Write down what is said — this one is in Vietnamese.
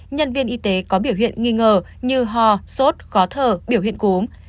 nhân viên y tế có biểu hiện nghi ngờ như ho sốt khó thở biểu hiện cúm